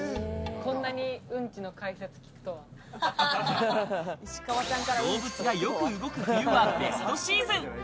こんなにうんちの解説聞くと動物がよく動く冬はベストシーズン。